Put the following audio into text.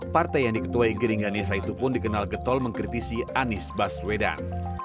partai yang diketuai giringganesa itu pun dikenal getol mengkritisi anies baswedan